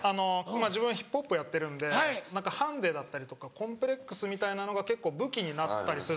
自分ヒップホップやってるんでハンディだったりとかコンプレックスみたいなのが結構武器になったりする。